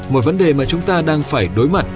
một vấn đề mà chúng ta đang phải đối mặt